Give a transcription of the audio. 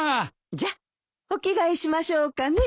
じゃお着替えしましょうかね。